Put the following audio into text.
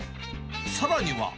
さらには。